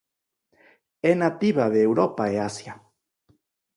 É nativa de Europa e Asia.